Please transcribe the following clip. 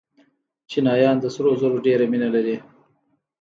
چینایان د سرو زرو ډېره مینه لري.